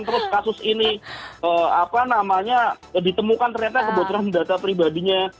terus kasus ini ditemukan ternyata kebocoran data pribadinya